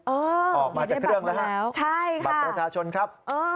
ออกมาจากเครื่องแล้วฮะบัตรประชาชนครับ